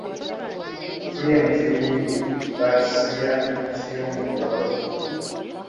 Tuli eno tuli bubi baatusibira mu kiyumba olwa COVID